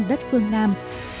đất phương nam